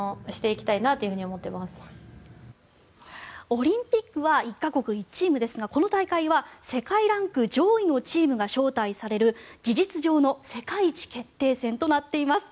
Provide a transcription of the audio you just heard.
オリンピックは１か国１チームですがこの大会は世界ランク上位のチームが招待される事実上の世界一決定戦となっています。